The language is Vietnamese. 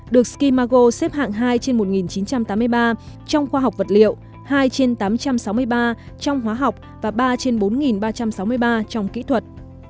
được skimago xếp hạng hai trên một nghìn chín trăm tám mươi ba trong khoa học vật liệu hai trên tám trăm sáu mươi ba trong hóa học và ba trên bốn ba trăm sáu mươi ba trong kỹ thuật